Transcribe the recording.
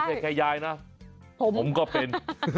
ไม่ใช่แค่ยายนะผมก็เป็น